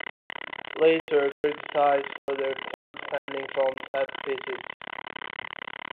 Leeds were criticised for their poor defending from set pieces.